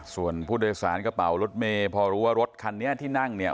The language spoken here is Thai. ส่วนผู้โดยสารกระเป๋ารถเมย์พอรู้ว่ารถคันนี้ที่นั่งเนี่ย